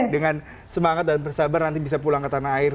dengan semangat dan bersabar nanti bisa pulang ke tanah air